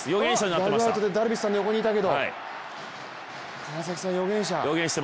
ダグアウトでダルビッシュの横にいたけど、川崎さん予言者。